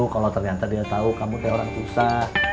kalau ternyata dia tau kamu teh orang susah